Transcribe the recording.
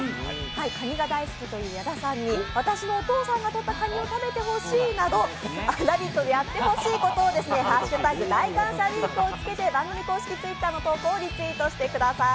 かにが大好きという矢田さんに私のお父さんがとったかにを食べてほしいなど「ラヴィット！」でやってほしいことを「＃大感謝ウィーク」をつけて番組公式Ｔｗｉｔｔｅｒの投稿をリツイートしてください。